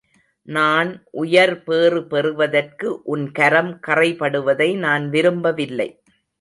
நான் உயர் பேறு பெறுவதற்கு உன் கரம் கறைபடுவதை நான் விரும்பவில்லை.